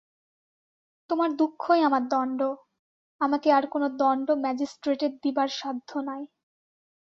তোমার দুঃখই আমার দণ্ড, আমাকে আর-কোনো দণ্ড ম্যাজিস্ট্রেটের দিবার সাধ্য নাই।